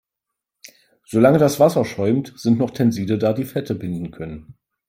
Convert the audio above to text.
Solange das Wasser schäumt, sind noch Tenside da, die Fette binden können.